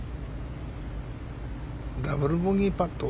ダブルボギーパット？